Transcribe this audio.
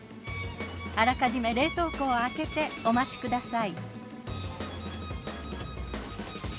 あらかじめ冷凍庫を空けてお待ちください。